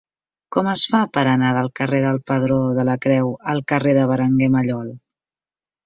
Com es fa per anar del carrer del Pedró de la Creu al carrer de Berenguer Mallol?